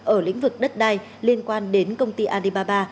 ở lĩnh vực đất đai liên quan đến công ty alibaba